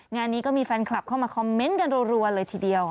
งานนี้ก็มีแฟนคลับเข้ามาคอมเมนต์กันรัวเลยทีเดียว